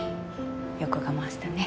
よく我慢したね。